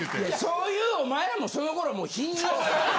そういうお前らもその頃もう頻尿。